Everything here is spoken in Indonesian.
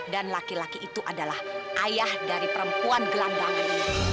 dan laki laki itu adalah ayah dari perempuan gelandangan